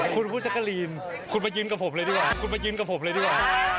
สุดส้นิทกำลังจะพูดตัวแจ็คกาลีน